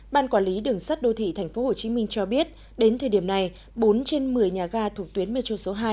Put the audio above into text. ban quản lý đường sắt đô thị tp hcm cho biết đến thời điểm này bốn trên một mươi nhà ga thuộc tuyến metro số hai